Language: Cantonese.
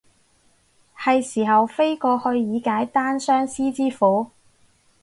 係時候飛過去以解單相思之苦